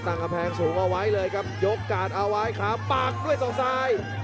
กำแพงสูงเอาไว้เลยครับยกกาดเอาไว้ขาปากด้วยศอกซ้าย